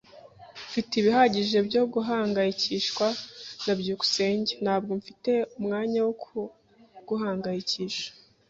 Mfite ibihagije byo guhangayikishwa na byukusenge. Ntabwo mfite umwanya wo kuguhangayikisha.